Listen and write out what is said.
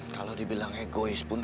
kalau dibilang egois pun